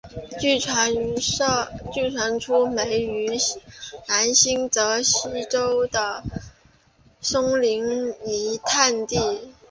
据传出没于南新泽西州的松林泥炭地。